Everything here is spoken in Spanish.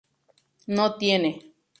No tiene